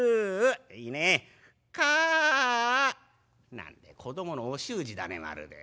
「何でえ子供のお習字だねまるで。